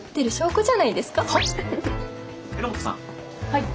はい。